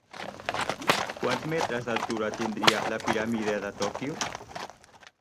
Quants metres d'altura tindria la Piràmide de Tòquio?